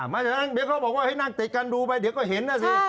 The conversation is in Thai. ไม่อย่างนั้นเดี๋ยวเขาบอกว่าให้นั่งติดกันดูไปเดี๋ยวก็เห็นนะสิ